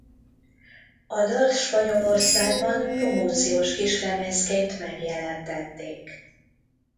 A dalt Spanyolországban promóciós kislemezként megjelentették.